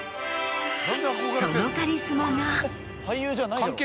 そのカリスマが。